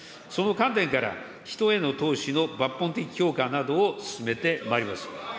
その観点から、人への投資の抜本的強化などを進めてまいります。